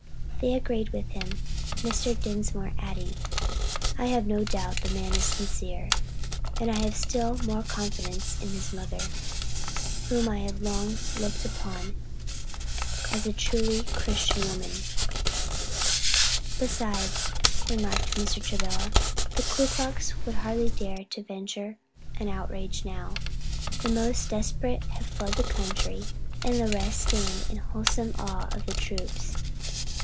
They agreed with him, Mr. Dinsmore adding, "I have no doubt the man is sincere; and I have still more confidence in his mother, whom I have long looked upon as a truly Christian woman." "Besides," remarked Mr. Travilla, "the Ku Klux would hardly dare venture an outrage now. The most desperate have fled the country, and the rest stand in wholesome awe of the troops."